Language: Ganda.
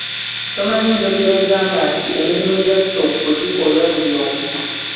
Tomanyi njogera egamba nti, "Emirimu gya ttoggo gikooya buli omu"